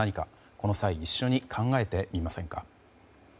この際一緒に考えてみませんか。